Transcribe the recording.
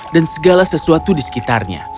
dan segala sesuatu di sekitarnya